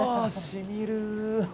しみる。